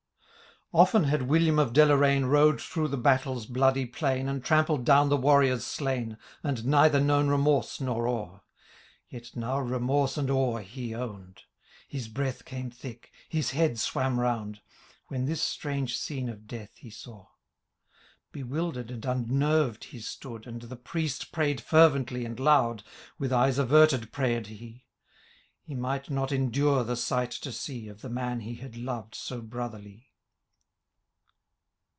Often had William of Delozaine Bode through the battlers bloody plain. And trampled down the warriors slain. And neither known remorse nor awe ; Yet now remorse and awe he own^d ; His breath came thick, his head swam round. When this strange scene of death he saw. Bewildered and unnerved he stood. And the priest pray'd fervently and loud : With eyes averted prayed he ; He might not endure the sight to see. Of the man he had loved so brotherly.